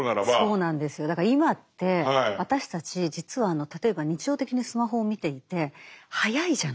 だから今って私たち実は例えば日常的にスマホを見ていて速いじゃないですか。